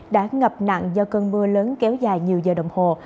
đã ngập nặng do cơn mưa lớn kéo dài nhiều giờ đồng hồ